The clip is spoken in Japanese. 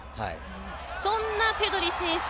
そんなペドリ選手